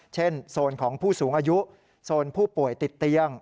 โซนของผู้สูงอายุโซนผู้ป่วยติดเตียง